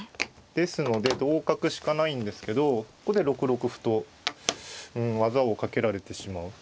ですので同角しかないんですけどここで６六歩と技をかけられてしまう。